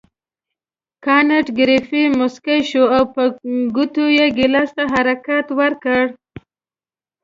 کانت ګریفي مسکی شو او په ګوتو یې ګیلاس ته حرکت ورکړ.